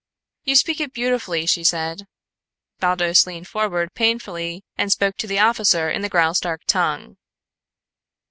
"You speak it beautifully," she said. Baldos leaned forward painfully and spoke to the officer in the Graustark tongue.